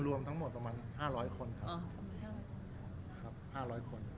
รวมทั้งหมดประมาณ๕๐๐คนครับ๕๐๐คน